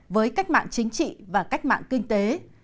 với cách mạng chính trị và cách mạng kinh tế